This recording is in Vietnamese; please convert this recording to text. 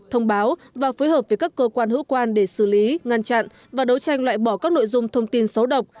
thông báo và phối hợp với các cơ quan hữu quan để xử lý ngăn chặn và đấu tranh loại bỏ các nội dung thông tin xấu độc